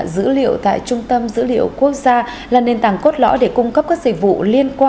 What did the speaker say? dữ liệu tại trung tâm dữ liệu quốc gia là nền tảng cốt lõ để cung cấp các sở hữu liên quan